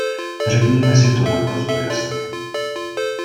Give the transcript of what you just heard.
Řekněme si to naprosto jasně.